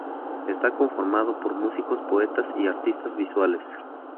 Está conformado por músicos, poetas y artistas visuales.